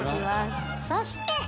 そして！